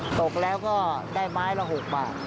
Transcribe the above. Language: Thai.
ตกแล้วก็ได้ไม้ละ๖บาท